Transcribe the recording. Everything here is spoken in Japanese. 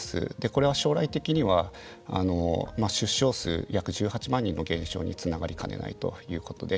これは将来的には出生数約１８万人の減少につながりかねないということで。